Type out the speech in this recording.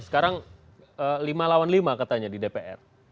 sekarang lima lawan lima katanya di dpr